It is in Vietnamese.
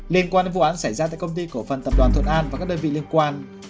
liên quan đến vụ án xảy ra tại công ty cổ phần tập đoàn thuận an và các đơn vị liên quan